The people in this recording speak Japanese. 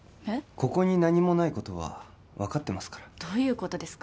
ここに何もないことは分かってますからどういうことですか？